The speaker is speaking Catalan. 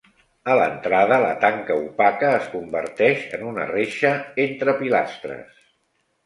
A l'entrada la tanca opaca es converteix en una reixa entre pilastres.